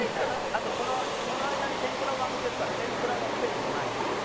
あとこの間に天ぷらも揚げてるから天ぷらのスペースもないし。